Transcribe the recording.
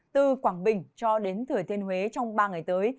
từ quảng bình cho đến thừa thiên huế trong ba ngày tới